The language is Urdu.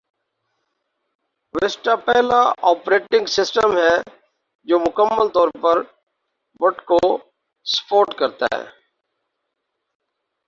وسٹا پہلا اوپریٹنگ سسٹم ہے جو مکمل طور پر بٹ کو سپورٹ کرتا ہے